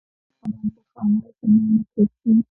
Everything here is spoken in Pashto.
ور وې قلم د خامار په نامه کېښود.